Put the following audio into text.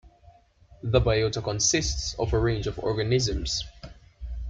The biota consists of a range of organisms.